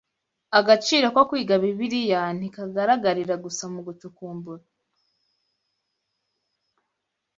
Agaciro ko kwiga Bibiliya ntikagaragarira gusa mu gucukumbura